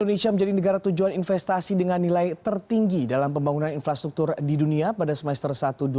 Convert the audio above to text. indonesia menjadi negara tujuan investasi dengan nilai tertinggi dalam pembangunan infrastruktur di dunia pada semester satu dua ribu dua puluh